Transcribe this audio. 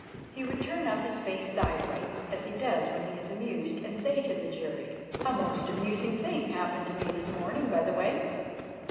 He would turn up his face sideways, as he does when he is amused, and say to the jury: "A most amusing thing happened to me this morning, by the way